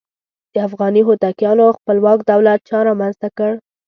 د افغاني هوتکیانو خپلواک دولت چا رامنځته کړ؟